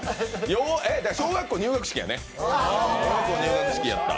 小学校入学式やった。